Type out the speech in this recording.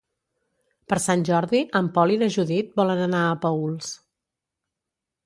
Per Sant Jordi en Pol i na Judit volen anar a Paüls.